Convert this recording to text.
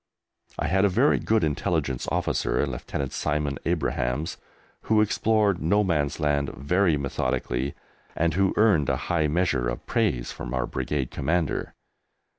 I had a very good Intelligence Officer in Lieutenant Simon Abrahams, who explored "no man's land" very methodically, and who earned a high measure of praise from our Brigade Commander.